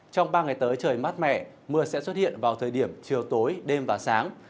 trong ba ngày tới trời mát mẻ mưa sẽ xuất hiện vào thời điểm chiều tối đêm và sáng